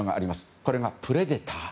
これがプレデター。